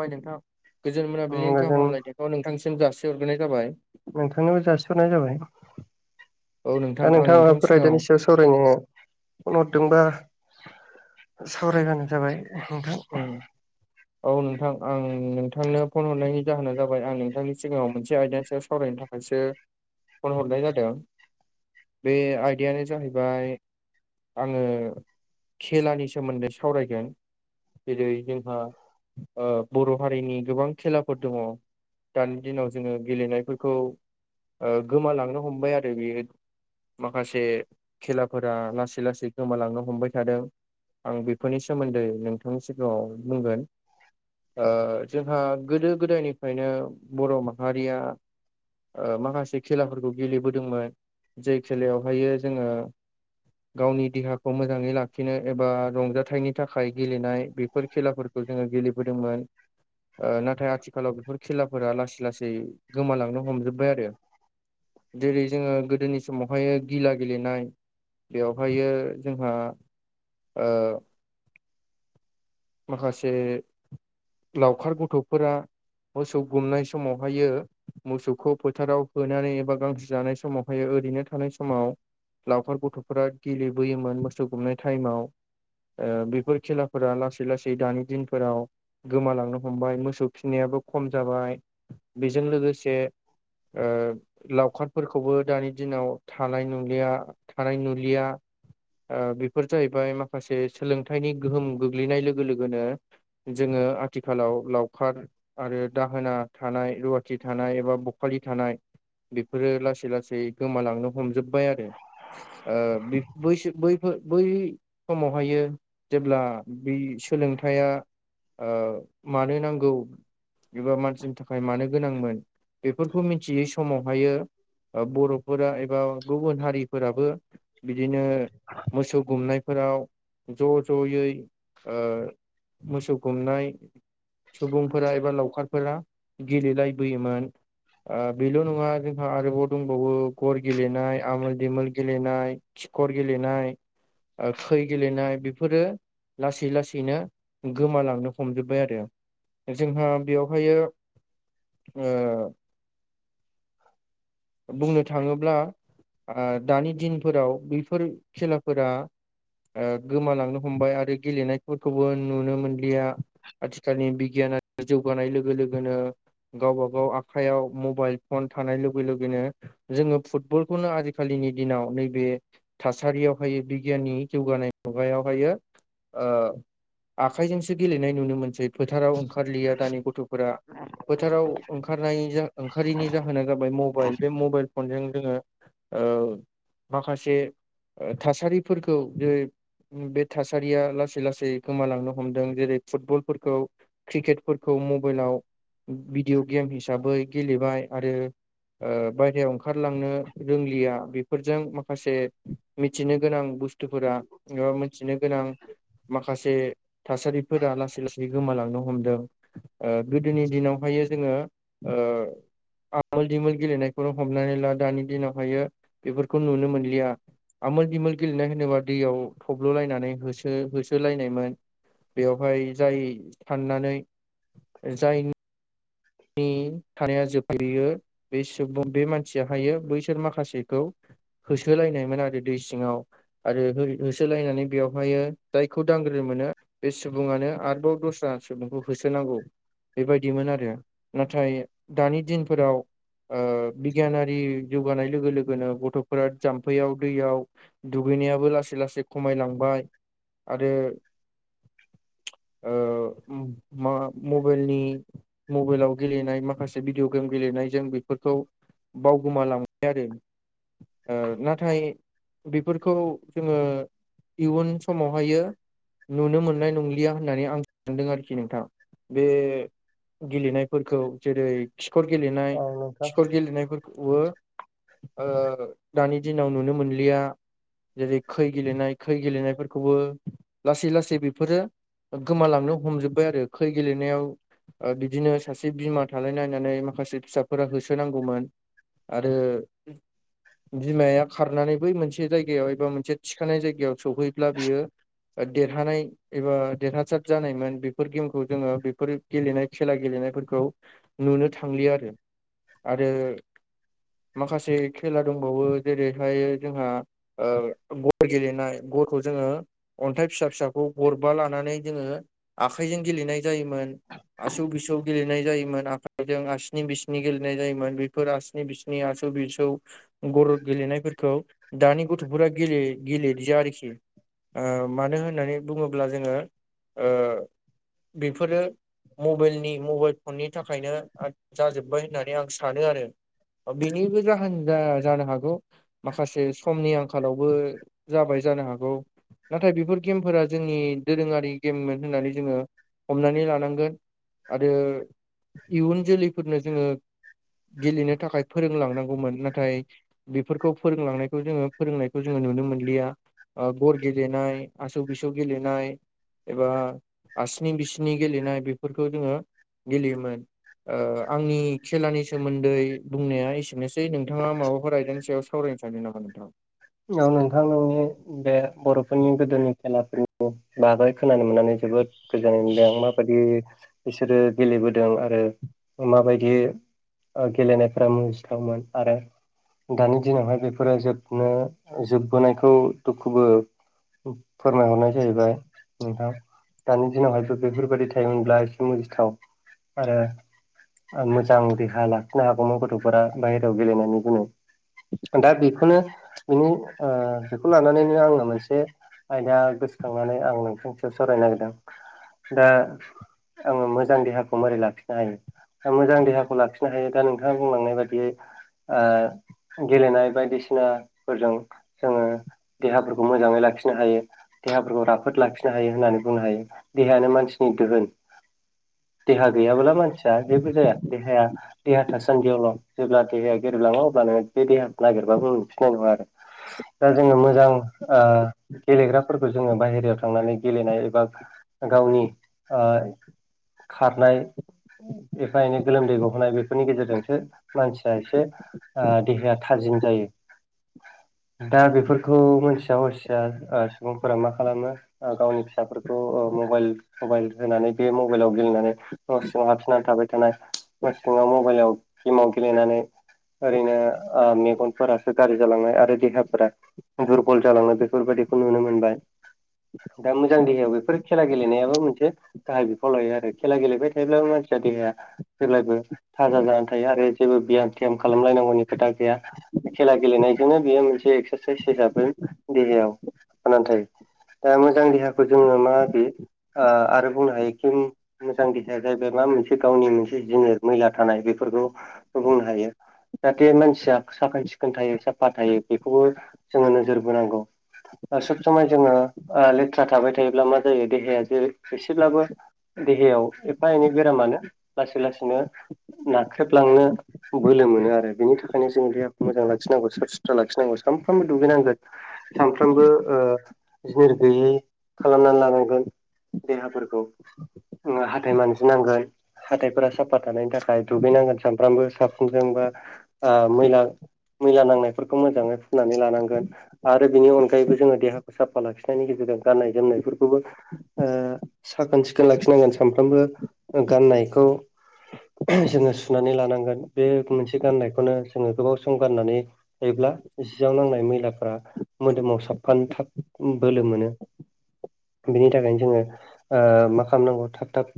बाय नोंथांङा गोजोन मोना बिल्डिनि गाहाम गोजोन फामलायनायखौ नोंथांसिम जासि हरग्रा जाबाय। नोंथांनोबो जासिहरनाय जाबाय औ दा नोंथां आं नोंथाङा नोंथांनि माबाफोर सिगाङाव रायलायनि सायाव। सावरायनो फन हरदोंबा सावरायबानो जाबाय नोंथां। [unintelligible] औ नोंथां आं नोंथांनो फन हरनायनि जाहोना जाबाय आं नोंथांनि सिगाङाव मोनसे आयद सायाव सावरायनो थाखाया मोनसे फन हरनाय जादों बे आयदायानो जाहैबाय। आङो खेलानि सोमोन्दै सावरायगोन। जेरै जोंहा बर' हारिनि गोबां खेलाफोर दङ। दानि दिनाव जोङो गेलेनायफोरखौ गोमालांनो हमबाय आरो बेयो ओ माखासे खेलाफोरा लासै लासै गोमालांनो हमबाय थादों। आं बेफोरनि सोमोन्दै नोंथांनि सिगाङाव बुंगोन ओ जोंहा गोदो गोदायनिफ्रायनो बर' माहारिया माखासे खेलाफोरखौ गेलेबोदोंमोन जाय खेलायावहायो जोङो। गावनि देहाखौ मोजाङै लाखिनो एबा रंजाथाइनि थाखाय गेलेनो। नाय बेफोर खेलाफोरखौ जोङो गेलेबोदोंमोन आ नाथाय आथिखालाव बेफोर खेलाफोरा लासै लासै गोमालांनो हमजोबबाय आरो। जेरै जोङो गोदोनि समावहाय गिला गेलेनाय बेवहायो जोंहा ओ माखासे लावखार गथ'फोरा मोसौ गुमनाय समावहायो। मोसौखौ फोथाराव होनानै एबा गांसो जानाय समावहाय ओरैनो थानाय समाव। लावखार गथ'फोरा गेलेबोयोमोन मोसौ गुमनाय टाइमाव। बेफोर खेलाफोरा लाै लासै लासै दानि दिनफोराव गोमालांनो हमबाय मोसौ फिननायाबो खम जाबाय। बेजों लोगोसे ओ लावखारफोरखौबो दानि दिनाव थानाय नुलिया थानाय नुुलिया। बेफोर जाहैबाय माखासे सोलोंथाइनि गोहोम गोग्लैनाय लोगो लोगो जोङो आथिखालाव लावखार आरो दाहोना थानाय रुवाथि थानाय एबा बखालि थानाय। बेफोरो लासै लासै। गोमालांनो हमजोबाय आरो बसो बैफोर बै समावहायो जेब्ला बै सोलोंथाइया मानो नांगौ? एबा मानसिनि थाखाय मानो गोनांमोन बेफोरखौ मिथियै समावहाय बर'फोरा एबा गुबुन हारिफोरा बिदिनो मोसौ गुमनायफोराव ज' ज'यै मोसौ खुमनाय सुबुंफोरा एबा लावखारफोरा। गेले लायबोयोमोन। बेल' नङा जोंहा आरोबाव दंबावो गर गेलेनाय आमोल दिमोल गेलेनाय। खिखर गेलेनाय गेलेनाय बेफोरो लासै लासैनो गोमालांनो हमजोब्बाय आरो जोंहा बेवहाय ओ [inaudible] बुंनो थाङोब्ला दानि दिनफोराव बैफोर खेलाफोरा गोमालांनो हमबाय आरो गेलेनायफोरखौबो नुनो मोनलिया। आथिखालनि बिगियाना जौगानाय लोगो लोगोनो गावबा गाव आखाइयाव मबाइल फन थानाय ल लगै लैनो जोङो फुटबलखौनो आजिखालिनि दिनाव नैबे थासारियावहायो बिगियाननि जौगानाय मुगायावहायो ओ आखाइजोंसो गेलेनाय नुनो मोनसै। फोथाराव ओंखारलिया दानि गथ'फोरा फोथाराव ओंखारनाय जों ओंखारिनि जाहोना जाबाय मबाइल बे मबाइल फनजों जोङो ओ माखासे थासारिफोरखौ जेरै बे थासारिया लासै लासै गोमालांनो हमदों। जेरै फुटबलफोरखौ क्रिकेटफोरखौ मबाइलाव भिडिअ' गेम हिसाबै गेलेबाय आरो ओ बाय्रायाव ओंखारलांनो रोंलिया बेफोरजों माखासे मिथिनो गोनां बुस्थु बुथफोरा एबा मोनथिनो गोनां माखासे थासारिफोरा लासै लासै गोमालांनो हमदों। गोदोनि दिनावहाय जोङो आ आल दिमल गेलेनायखौनो हमनानै ला दानि दिनावहायो बेफोरखौ नुनो मोनलिया। आमोल बिमोल गेलेनाय होनोबा दैयाव थब्ल'लायनानै होसो होसोलायनायमोन। बेयावहाय जाय साननानै जायनि नि थानाया जोबफेरयो बे सुबुं बे मानसिया हायो बैसोर माखासेखौ होसोलायनायमोन आरो दै सिङाव आरो होसोलायनानै बेवहाय जायखौ दांग्रो मोनो बे सुबुङानो आरोबाव दस्रा बेखौ होसोनांगौ बेबायदिमोन आरो नाथाय दानि दिनफोराव बिगियानारि जौगानाय लोगो लोगोनो गथ'फोरा जाम्फैयाव दैयाव दुगैनायाबो लासै लासै खमायलांबाय आरो। ओ मा मबायलनि मबायलाव गेलेनाय माखासे भिडिअअ गेम गेलेनायजों बेफोरखौ बावगोमालांबाय आरो। नाथाय बेफोरखौ जोङो इयुन समावहायो। नुनो मोननाय नंलिया होननानै आं सानदों आरोखि नोंथां बे गेलेनाय फोरखौ जेरै खिखर औ गेलेनाय नोंथां खिखर गेलेनायफोरखौबो दानि दिनाव नुनो मोनलिया। जेरै खै गेलेनाय खै गेलेनायफोरखौबो लासै लासै बेफोरो गोमालांनो हमजोबबाय आरो खै गेलेनायाव बिदिनो सासे बिमा थालायनायनायनानै माखासे फिसाफोरा होसोनांगौमोन आरो बिमाया खारनानै बै मोनसे जायगायाव एबा मोनसे थिखानाय जायगायाव सहैब्ला बियो देरहानाय एबा देरहासार जानायमोन बेफोर गेमखौ जोङो बेफोर गेलेनाय खेला गेलेनाय फोरखौ नुनो थांलिया आरो आरो माखासे खेला दंबावो जेरैहाय जोंहा गय गेलेनाय गरखौ जोङो अन्थाइ फिसा फिसाखौ गरबा लानानै जोङो आखाइजों गेलेनाय जायोमोन। आसोग बिसोग गेलेनाय जायोमोन आखाइजों आसिनि बिसिनि गेलेनाय जायोमोन बेफोर आसिनि बिसिनि आसु बिसु गर' गेलेनायफोरखौ दानि गथ'फोरा गेले गेलिरजो आरोखि मानो होननानै बुङोब्ला जोङो ओ बेफोरो मबाइलनि मबाइल फननि थाखायनो जाजोबबाय होननानै आं सानो आरो। बेनिबो जाहोन जानो हागौ। माखासे समनि आंखालावबो जाबाय जानो हागौ। नाथाय बेफोर गेमफोरा जोंनि दोरोङारि गेममोन होननानै जोङो हमनानै लानांगोन आरो इयुन जोलैफोरनो जोङो गेलेनो थाखाय फोरोंलांनांगौमोन नाथाय बिफोरखौ फोरोंलांनायखौ जोङो फोरोंनायखौ जोङो नुनो मोनलिया ओ गर गेलेनाय आसौ बिसौ गेलेनाय एबा आसनि बिसनि गेलेनाय बेफोरखौ जोङो गेलेयोमोन ओ आंनि खेलानि सोमोन्दै बुंनाया एसेनोसै नोंथाङा माबाफोर आयदानि सायाव सावरायनो सानदों नामा नोंथां? औ नोंथां नोंनि बे बर'फोरनि गोदोनि खेलाफोरनि बागै खोनानो मोननानै जोबोद गोजोननाय मोनबाय आं माबादि बिसोरो गेलेबोदों आरो माबायदि ओ गेलेनायफोरा मोजिथावमोन आरो दानि दिनावहाय बेफोरो जोबनो जोबबोनायखौ दुखुबो फोरमायहरनाय जाहैबाय नोंथां दानि दिनावहाय बेफोरबायदि थायोमोनब्ला एसे मुजिथाव आरो मोजां देहा लाखिनो हागौमोन गथ'फोरा बाहेरायाव गेलेनायनि जुनै दा बेखौनो बिनि ओ बेखौ लानानैनो आङो मोनसे आयदा गोसोखांनानै आं नोंथांनि सायाव सावरायनो नागिरदों दा आङो मोजां देहाखौ मारै लाखिनो हायो मोजां देहाखौ लाखिनो हायो दा नोंथाङा बुंलांनाय बायदियै ओ गेलेनाय बायदिसिनाफोरजों जोङो देहाफोरखौ मोजाङै लाखिनो हायो देहाफोरखौ राफोद लाखिनो हायो होननानै बुंनो हायो देहायानो मानसिनि दोहोन देहा गैयाबोला मानसिया जेबो जाया देहाया देहा थासान्दियावल' जेब्ला देहाया गेरेबलाङो अब्लानो बे देहाखौ नागिरबाबो मोनफिनाय नङा आरो दा जोङो मोजां ओ गेलेग्राफोरखौ जोङो बायहेरायाव थांनानै गेलेनाय एबा गावनि ओ खारनाय एफा एनै गोलोमदै गहोनाय बेफोरनि गेजेरजोंसो मानसिया एसे ओ देहाया थाजिम जायो दा बेफोरखौ मोनथिया हसिया ओ सुबुंफोरा मा खालामो ओ गावनि फिसाफोरखौ ओ मबाइल सबाइल होनानै बे मबाइलाव गेलेनानै न' सिङाव हाबसोना थाबाय थानाय न सिङाव मबाइलाव गेमाव गेलेनानै ओरैनो ओ मेगनफोरा गाज्रि जालांनाय आरो देहाफोरा दुरबल जालांनाय बेफोरबायदिखौ नुनो मोनबाय दा मोजां देहायाव बेफोर खेला गेलेनायाबो मोनसे गाहाय बिफाव लायो आरो खेला गेलेबाय थायोब्लाबो मानसिया देहाया जेब्लायबो थाजा जानानै थायो आरो जेबो बियाम थियाम खालामलायनांगौनि खोथा गैया खेला गेलेनायजोंनो बेयो मोनसे एक्सारसाइस हिसाबै देहायाव जानानै नाथाय दा मोजां देहाखौ जोङो मा बि आरो बुंनो हायोखि मोजां देहाया जाहैबाय मा मोनसे गावनि मोनसे जिनिर मैला थानाय बेफोरखौ बुंनो हायो जाहाथे मानसिया साखोन-सिखोन थायो साफा थायो बेखौबो जोङो नोजोर बोनांगौ ओ सोब समाय जोङो ओ लेथ्रा थाबाय थायोब्ला मा जायो देहाया जेरै एसेब्लाबो देहायाव एफा एनै बेरामानो लासै लासैनो नाख्रेबलांनो बोलो मोनो आरो बेनि थाखायनो जों दे मोजां लाखिनांगौ साब सुथ्रा लाखिनांगौ सानफ्रामबो दुगैनांगौ सानफ्रामबो ओ जिनिर गैयि खालामनानै लानांगोन देहाफोरखौ ओ हाथाय मानजिनांगोन हाथायफोरा साफा थानायनि थाखाय दुगैनांगोन सामफ्रामबो साफुनजों बा ओ मैला मैला नांनायफोरखौ मोजाङै हुनानै लानांगोन आरो बिनि अनगायैबो जोङो देहाखौ साफा लाखिनायनि गेजेरजों गाननाय-जोमनायफोरखौबो ओ साखोन सिखोन लाखिनांगोन सानफ्रामबो गाननायखौ जोङो सुनानै लानांगोन बे मोनसे गाननायखौनो जोङो गोबाव सम गाननानै थायोब्ला जियाव नांनाय मैलाफोरा मोदोमाव साफफानो थाब बोलो मोनो। बिनि थाखायनो जोङो ओ मा खालामनांगौ थाब थाब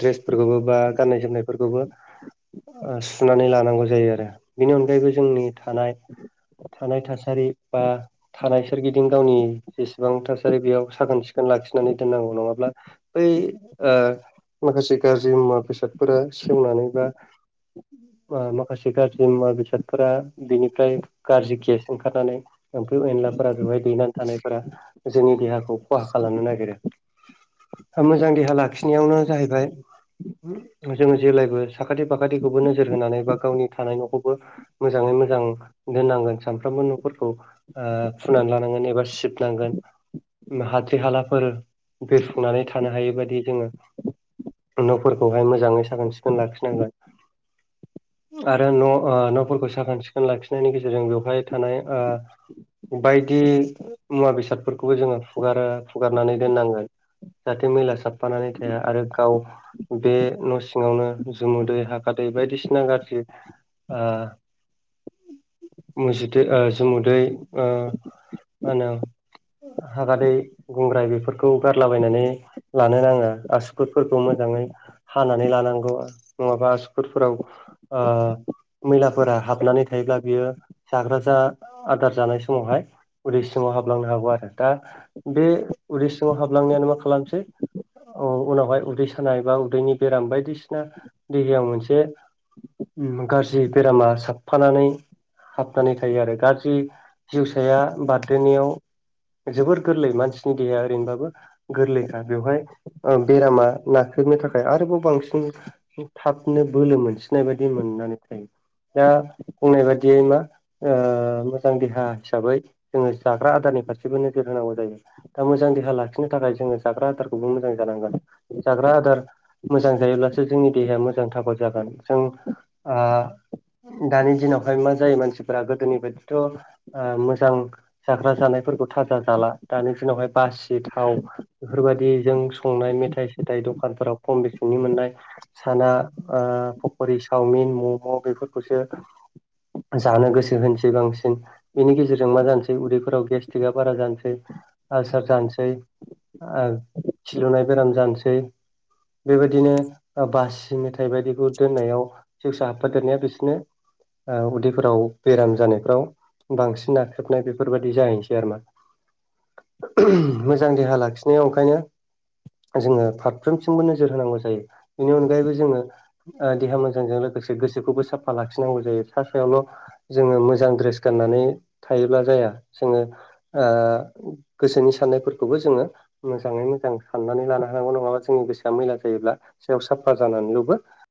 ड्रेसफोरखौबो बा गाननाय जोमनायफोरखौबो ओ सुनानै लानांगौ जायो आरो बेनि अनगायैबो जोंनि थानाय थानाय थासारि बा थानाय सोरगिदिं गावनि जेसेबां थासारि बेयाव साखोन सिखोन लाखिनानै दोननांगौ नङाब्ला बै ओ माखासे गाज्रि मुवा बेसादफोरा सेवनानै बा ओ माखासे गाज्रि मुवा बेसादफोरा बेनिफ्राय गाज्रि गेस ओंखारनानै एम्फौ एनलाफोरा बेवहाय दैनानै थानायफोरा जोंनि देहाखौ खहा खालामनो नागिरो। दा मोजां देहा लाखिनायावनो जाहैबाय जोङो जेलायबो साखाथि फाखाथिखौबो नोजोर होनानै बा गावनि थानाय न' फोरखौ मोजाङै मोजां दोननांगोन सानफ्रामबो न'फोरखौ ओ फुनानै लानांगोन एबा सिबनांगोन हाद्रि हालाफोर बिरफुंनानै थानो हायै बायदि जोङो न'फोरखौहाय मोजाङै साखोन सिखोन लाखिनांगोन आरो न' ओ न'फोरखौ साखोन सिखोन लाखिनायनि गेजेरजों बेवहाय थानाय ओ बायदि मुवा बेसादफोरखौबो जोङो हुगारा हुगारनानै दोननांगोन। जाहाथे मेला साबफानानै थाया आरो गाव बे न' सिङावनो जुमुदै हाखादै बायदिसिना गाज्रि ओ मुजुदै ओ जोमुदै ओ मा होनो हागादै गुंग्राय बेफोरखौ गारलाबायनानै लानो नाङो आसुुफोरखौ मोजाङै हानानै लानांगौ नङाबा आसुखुरफोराव ओ मैलाफोरा हाबनानै थायोब्ला बियो जाग्रा जा आदार जानाय समावहाय उदै सिङाव हाबलांनो हागौ आरो दा बे उदै सिङाव हाबलांनानै मा खालामसै औ उनावहाय उदै सानाय बा उदैनि बेराम बायदिसिना देहायाव मोनसे गाज्रि बेरामा साबफानानै हाबनानै थायो आरो गाज्रि जिउसाया बारदेनायाव जोबोर गोरलै मानसिनि देहाया ओरैनोबाबो गोरलैखा बेवहाय ओ बेरामा नाख्रेबनो‌ थाखाय आरोबाव बांसिन थाबनो बोलो मोनसिननाय बायदि मोननानै थायो दा बुंनाय बायदियै मा ओ मोजां देहा हिसाबै जोङो जाग्रा आदारनि फारसेबो नोजोर होनांगौ जायो। दा मोजां देहा लाखिनो थाखाय जोङो जाग्रा आदारखौबो मोजां जानांगोन। जाग्रा आदार मोजां जायोब्लासो जोंनि देहाया मोजां थागद जागोन जों ओ दानि दिनावहाय मा जायो मानसिफोरा गोदोनि बादिथ' ओ मोजां जाग्रा जानायफोरखौ थाजा जाला दानि दिनावहाय बासि थाव बेफोरबायदि जों संनाय मेथाइ सेथाइ दखानफोराव खम बेसेननि मोननाय साना ओ पक'रि चावमिन मम' बेफोरखौसो जानो गोसो होनोसै बांसिन। बेनि गेजेरजों मा जानोसै उदैफोराव गेस्टिकआ बारा जानोसै आलसार जानोसै। ओं खिलुनाय बेराम जानोसै। बेबायदिनो बासि मेथाइ बायदिखौ दोननायाव सिवसा हाबफादेरनाया बेसोरनो उदैफोराव बेराम जानायफ्राव बांसिन नाख्रेबनाय बेफोरबायदि जाहैसै आरोना मोजां देहा लाखिनायाव ओंखायनो जोङो फारफ्रोमथिमबो नोजोर होनांगौ जायो बेनि अनगायैबो जोङो देहा मोजांजों लोगोसे गोसोखौबो साफा लाखिनांगौ जायो सा सायावल'। जोङो मोजां ड्रेस गाननानै थायोब्ला जाया जोङो। गोसोनि साननायफोरखौबो जोङो मोजाङै मोजां साननानै लानो हानांगौ नङाबा जोंनि गोसोआ मैला जायोब्ला सायाव साफा जानानैलबो